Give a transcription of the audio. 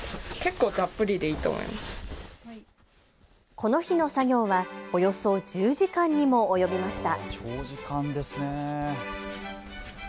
この日の作業はおよそ１０時間にも及びました。